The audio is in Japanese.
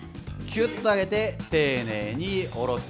きゅっと上げて丁寧に下ろす。